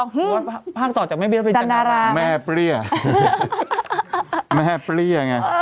ที่รู้ว่าภาคต่อจากแม่เบี้ยวแม่เปลี่ย